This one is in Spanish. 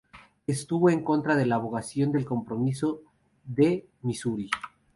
Estuvo en contra de la abrogación del Compromiso de Misuri.